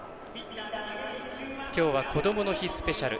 きょうは「こどもの日スペシャル」。